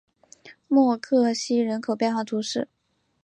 默克西人口变化图示